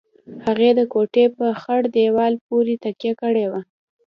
هغې د کوټې په خړ دېوال پورې تکيه کړې وه.